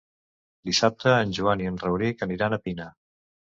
Dissabte en Joan i en Rauric aniran a Pina.